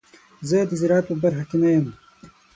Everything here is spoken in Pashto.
زه د زراعت په برخه کې نه یم.